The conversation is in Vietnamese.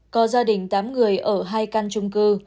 có gia đình tám người ở hai căn trung cư